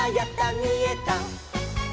みえた！」